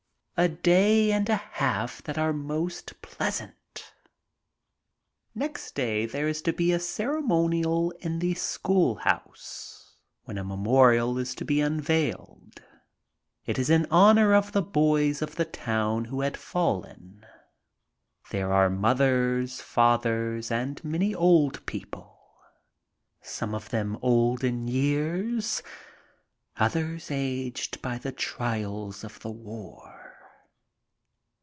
A day and a half that are most pleasant ! Next day there is to be a ceremonial in the schooUiouse, when a memorial is to be unveiled. It is in honor of the boys of the town who had fallen. There are mothers, fathers, and many old people, some of them old in years, others aged by the trials of the war.